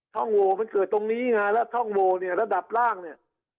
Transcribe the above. ห้องโวมันเกิดตรงนี้ไงแล้วท่องโวเนี่ยระดับล่างเนี่ย